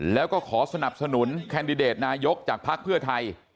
แล้วก็ขอสนับสนุนแคนดิเดตนายกจากภักดิ์เพื่อไทย